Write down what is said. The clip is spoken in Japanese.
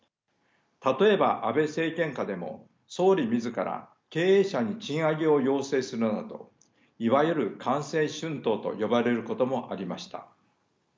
例えば安倍政権下でも総理自ら経営者に賃上げを要請するなどいわゆる官製春闘と呼ばれることもありました。